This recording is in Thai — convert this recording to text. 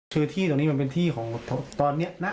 คือที่ตรงนี้มันเป็นที่ของตอนนี้นะ